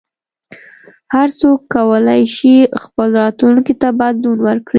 هر څوک کولای شي خپل راتلونکي ته بدلون ورکړي.